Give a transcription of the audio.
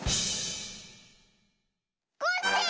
コッシー！